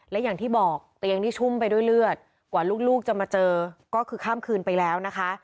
และอย่างที่บอกเตียงที่ชุ่มไปด้วยเลือดกว่าลูกจะมาเจอก็คือข้ามคืนไปแล้วนะคะ